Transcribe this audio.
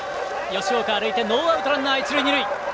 吉岡、歩いてノーアウトランナー、一塁二塁。